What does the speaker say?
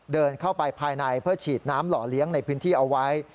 เดินเข้าไปภายในเพื่อฉีดน้ำหล่อเลี้ยงในพื้นที่เอาไว้